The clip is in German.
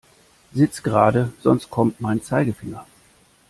Sitz gerade, sonst kommt mein Zeigefinger.